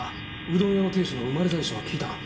うどん屋の亭主の生まれ在所は聞いたか？